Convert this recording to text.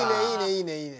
いいねいいね！